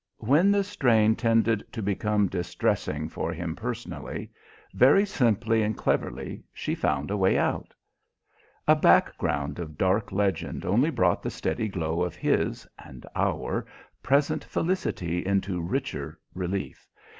When the strain tended to become distressing, for him personally, very simply and cleverly, she found a way out. A background of dark legend only brought the steady glow of his and our present felicity into richer relief.